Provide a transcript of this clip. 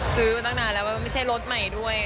ซื้อมาตั้งนานแล้วว่าไม่ใช่รถใหม่ด้วย